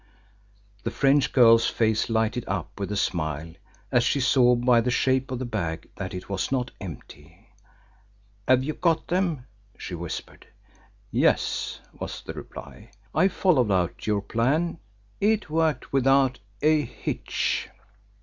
The French girl's face lighted up with a smile as she saw by the shape of the bag that it was not empty. "Have you got them?" she whispered. "Yes," was the reply. "I followed out your plan it worked without a hitch."